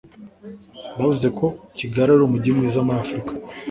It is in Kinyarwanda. Bavuze ko Kigali ari umujyi mwiza muri Afurika